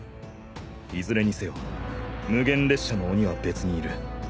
いずれにせよ無限列車の鬼は別にいる。